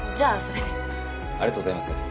ありがとうございます。